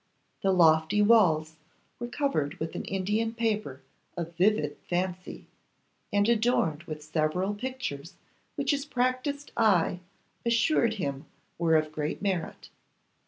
The lofty walls were covered with an Indian paper of vivid fancy, and adorned with several pictures which his practised eye assured him were of great merit.